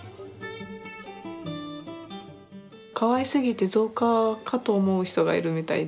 かわいすぎて造花かと思う人がいるみたいで。